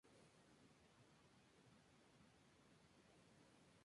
Vallenilla está entre los venezolanos con más patentes otorgadas en los Estados Unidos.